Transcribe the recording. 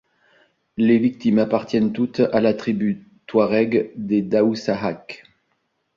Les victimes appartiennent toutes à la tribu touarègue des Daoussahak.